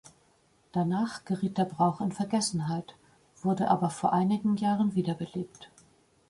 Danach geriet der Brauch in Vergessenheit, wurde aber vor einigen Jahren wiederbelebt.